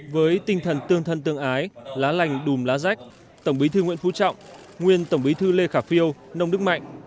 với tinh thần tương thân tương ái lá lành đùm lá rách tổng bí thư nguyễn phú trọng nguyên tổng bí thư lê khả phiêu nông đức mạnh